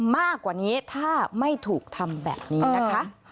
มากกว่านี้ถ้าไม่ถูกทำแบบนี้นะคะ